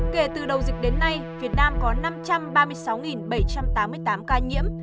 kể từ đầu dịch đến nay việt nam có năm trăm ba mươi sáu bảy trăm tám mươi tám ca nhiễm